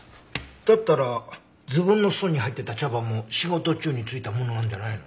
だったらズボンの裾に入ってた茶葉も仕事中に付いたものなんじゃないの？